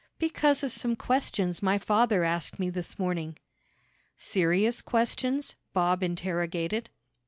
"Because of some questions my father asked me this morning." "Serious questions?" Bob interrogated.